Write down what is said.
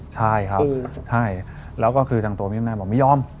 ใช่ครับแล้วก็คือทั้งตัวพี่เซฟตี้เนี่ยบอกไม่ยอม